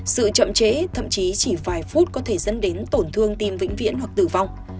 sự chậm chế thậm chí chỉ vài phút có thể dẫn đến tổn thương tim vĩnh viễn hoặc tử vong